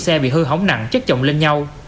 xe bị hư hỏng nặng chất trọng lên nhau